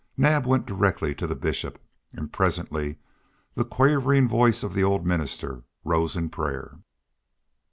Naab went directly to the Bishop, and presently the quavering voice of the old minister rose in prayer.